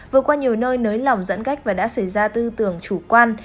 vừa qua nhiều nơi nới lỏng giãn cách và đã xảy ra tư tưởng chủ quan